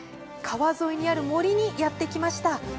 川沿いにある森にやってきました。